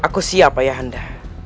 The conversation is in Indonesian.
aku siap ayahanda